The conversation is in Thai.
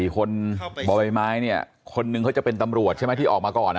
คนบ่อใบไม้เนี่ยคนนึงเขาจะเป็นตำรวจใช่ไหมที่ออกมาก่อน